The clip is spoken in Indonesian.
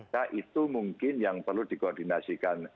nah itu mungkin yang perlu dikoordinasikan